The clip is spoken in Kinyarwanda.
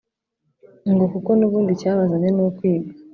ngo kuko n’ubundi icyabazanye ni ukwiga